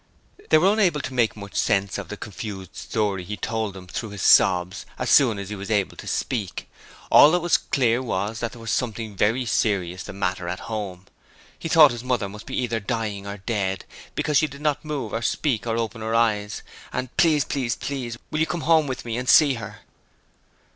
They were unable to make much sense of the confused story he told them through his sobs as soon as he was able to speak. All that was clear was that there was something very serious the matter at home: he thought his mother must be either dying or dead, because she did not speak or move or open her eyes, and 'please, please, please will you come home with me and see her?'